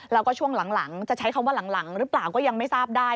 แล้วก็ช่วงหลังจะใช้คำว่าหลังหรือเปล่าก็ยังไม่ทราบได้